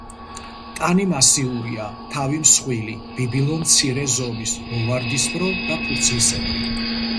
ტანი მასიურია, თავი მსხვილი, ბიბილო მცირე ზომის, მოვარდისფრო და ფურცლისებრი.